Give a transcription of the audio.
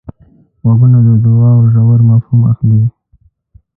غوږونه د دوعا ژور مفهوم اخلي